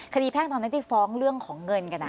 คดีแพ่งตอนนั้นได้ฟ้องเรื่องของเงินกันนะ